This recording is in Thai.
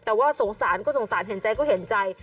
แต่ว่าสงสารก็สงสารเห็นใจก็เห็นใจ